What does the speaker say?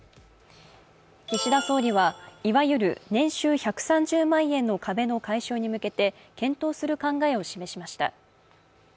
岸田総理は、いわゆる年収１３０万円の壁の解消に向けて検討する考えを示しました。